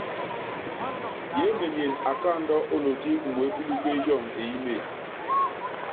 Yeémenyene akáandú olotí umeépílúke yɔŋɔ eyínée.